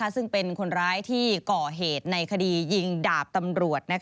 ซึ่งเป็นคนร้ายที่ก่อเหตุในคดียิงดาบตำรวจ